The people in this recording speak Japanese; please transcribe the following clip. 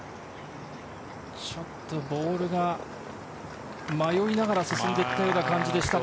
ちょっとボールが迷いながら進んでいったような感じでした。